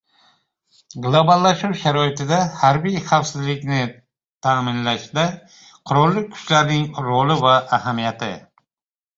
Globallashuv sharoitida harbiy xavfsizlikni ta’minlashda qurolli kuchlarning roli va ahamiyati